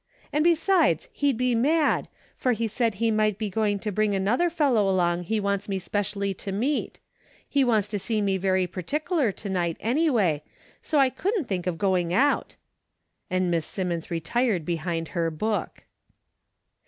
And besides he'd be mad, for he said he might be going to bring another fellow along he wants me specially to meet. He wants to see me very perticular to night anyway, so I couldn't think of going out," and Miss Sim mons retired behind her book.